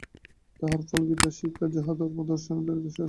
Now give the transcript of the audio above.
তাহার ফল গীতার শিক্ষা, যাহা ধর্ম দর্শন ও উদারতার সারস্বরূপ।